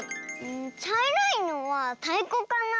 ちゃいろいのはたいこかな？